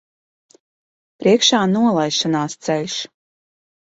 Priekšā nolaišanās ceļš.